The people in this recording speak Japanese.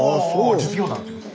実業団ってこと？